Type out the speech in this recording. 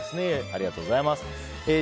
ありがとうございます。